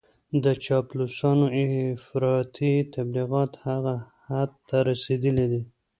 د چاپلوسانو افراطي تبليغات هغه حد ته رسېدلي دي.